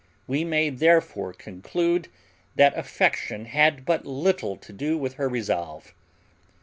We may therefore conclude that affection had but little to do with her resolve.